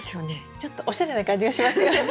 ちょっとおしゃれな感じがしますよね。